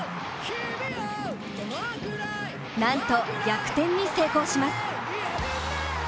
なんと逆転に成功します。